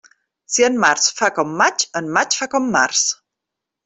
Si en març fa com maig, en maig fa com març.